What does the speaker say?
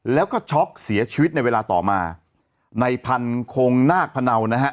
แล้วก็ช็อกเสียชีวิตในเวลาต่อมาในพันธงนาคพะเนานะฮะ